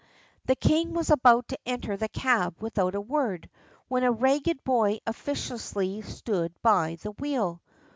The king was about to enter the cab without a word, when a ragged boy officiously stood by the wheel.